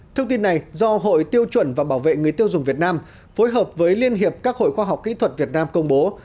thông tin này do hội tiêu chuẩn và bảo vệ người tiêu dùng việt nam phối hợp với liên hiệp các hội khoa học kỹ thuật việt nam công bố